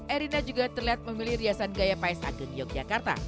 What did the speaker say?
irina juga terlihat memilih riasan gaya paes ageng yogyakarta